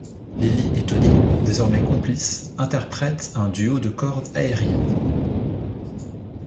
Lili et Toni, désormais complices, interprètent un duo de corde aérienne.